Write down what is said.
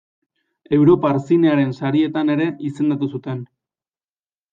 Europar zinearen sarietan ere izendatu zuten.